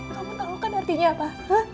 kamu tahu kan artinya apa